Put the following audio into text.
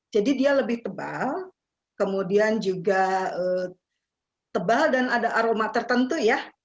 jadi dia lebih tebal kemudian juga tebal dan ada aroma tertentu ya